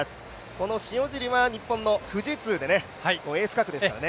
この塩尻は日本の富士通でエース格ですからね。